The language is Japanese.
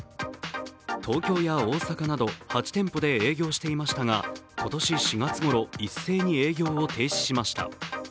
東京や大阪など８店舗で営業していましたが、今年４月ごろ一斉に営業を停止しました。